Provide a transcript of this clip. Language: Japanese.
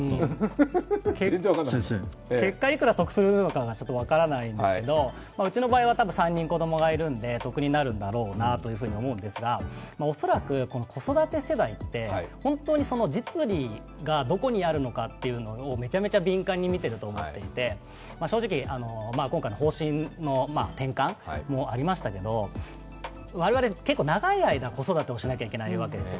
結果、いくら得するのか分からなかったんですけど、うちの場合はたぶん３人子供がいるので特になるんだろうなと思うんですが、恐らく子育て世帯って本当に実利がどこにあるのかというのをめちゃめちゃ敏感に見ていると思っていて正直、今回の方針の転換もありましたけれども、我々、結構長い間、子育てをしなきゃいけないわけですよ。